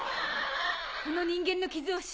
この人間の傷をシシ